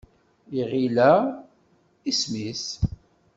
Iɣil-a, isem-is?